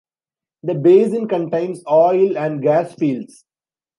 The basin contains oil and gas fields.